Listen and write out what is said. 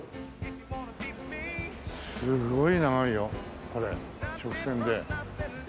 すごい長いよこれ直線で。